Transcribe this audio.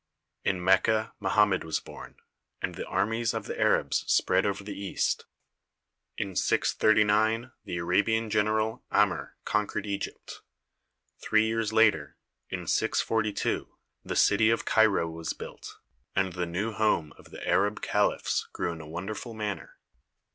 In Mecca Mo hammed was born, and the armies of the Arabs spread over the East. In 639 the Arabian general Amr conquered Egypt. Three years later, in 22 THE SEVEN WONDERS 642, the city of Cairo was built, and the new home of the Arab caliphs grew in a wonderful manner.